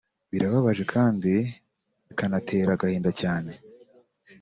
Birababaje kandi bikanatera agahinda cyane